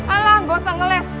alah nggak usah ngeles